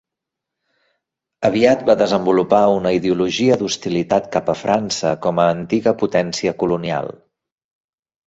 Aviat va desenvolupar una ideologia d'hostilitat cap a França com a antiga potència colonial.